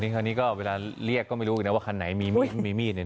โหนี่เวลาเรียกก็ไม่รู้อีกแล้วว่าคันไหนมีมีดนี่เนอะ